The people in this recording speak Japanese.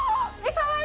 かわいい！